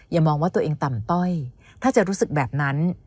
มองว่าตัวเองต่ำต้อยถ้าจะรู้สึกแบบนั้น